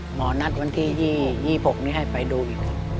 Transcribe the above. หมอนัดวันที่๒๖นี้ให้ไปดูอีก